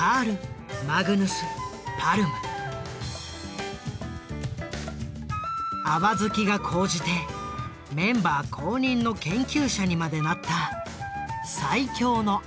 ＡＢＢＡ好きが高じてメンバー公認の研究者にまでなった最強のＡＢＢＡ